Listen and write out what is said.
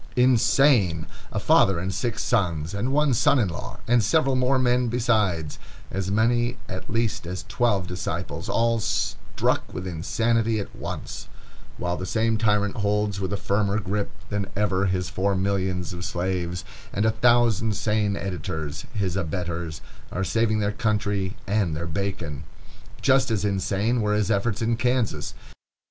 Insane! A father and six sons, and one son in law, and several more men besides,—as many at least as twelve disciples,—all struck with insanity at once; while the same tyrant holds with a firmer gripe than ever his four millions of slaves, and a thousand sane editors, his abettors, are saving their country and their bacon! Just as insane were his efforts in Kansas.